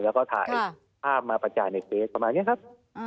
แล้วก็ถ่ายภาพมาประจานในเฟสประมาณนี้ครับ